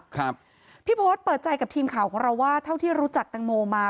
ครับพี่โพธเปิดใจกับทีมข่าวของเราว่าเท่าที่รู้จักตังโมมา